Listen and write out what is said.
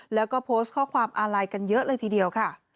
แล้วก็โพสต์ข้อความอาลัยกันเยอะเลยทีเดียวค่ะ